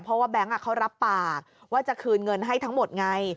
เพราะว่าแบงค์เขารับปากว่าจะคืนเงินให้ทั้งหมดไง